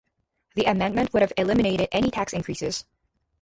The amendment would have eliminated any tax increases.